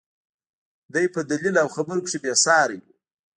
دى په دليل او خبرو کښې بې سارى و.